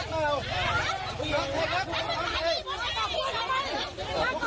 เราต้องสระบัดแล้ว